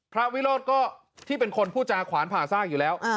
วิโรธก็ที่เป็นคนพูดจาขวานผ่าซากอยู่แล้ว